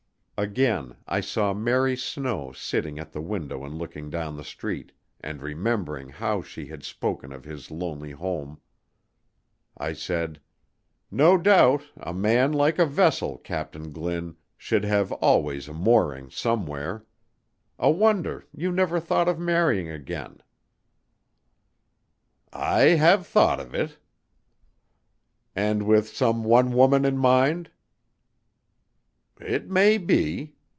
Again I saw Mary Snow sitting at the window and looking down the street, and remembering how she had spoken of his lonely home, I said: "No doubt a man, like a vessel, Captain Glynn, should have always a mooring somewhere. A wonder you never thought of marrying again?" "I have thought of it." "And with some one woman in mind?" "It may be."